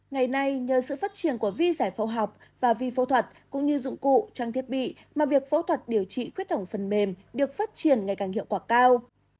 ngày nay nhờ sự phát triển của vi giải phẫu học và vi phẫu thuật cũng như dụng cụ trang thiết bị mà việc phẫu thuật điều trị khuyết hỏng phần mềm được phát triển ngày càng hiệu quả cao